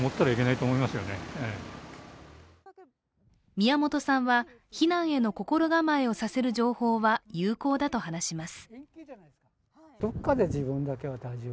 宮本さんは、避難への心構えをさせる情報は有効だと話します。